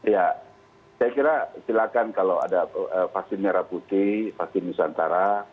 ya saya kira silakan kalau ada vaksin merah putih vaksin nusantara